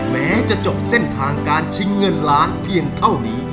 แม้จะจบเส้นทางการชิงเงินล้านเพียงเท่านี้